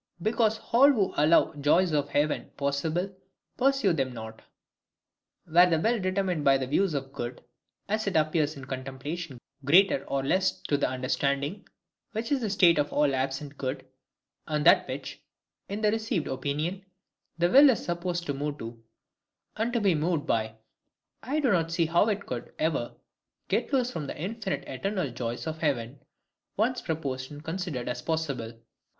Because all who allow the Joys of Heaven possible, pursue them not. Were the will determined by the views of good, as it appears in contemplation greater or less to the understanding, which is the state of all absent good, and that which, in the received opinion, the will is supposed to move to, and to be moved by,—I do not see how it could ever get loose from the infinite eternal joys of heaven, once proposed and considered as possible.